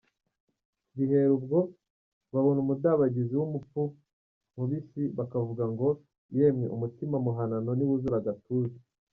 Bihera ubwo, babona umudabagizi w’umupfu mubisi, bakavuga ngo "Yemwe umutima muhanano ntiwuzura igituza !".